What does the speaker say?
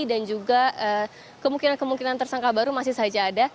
dan juga kemungkinan kemungkinan tersangka baru masih saja ada